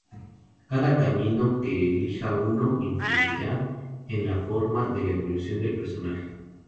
Cada camino que uno elija influirá en la forma de la evolución del personaje.